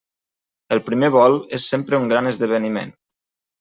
El primer vol és sempre un gran esdeveniment.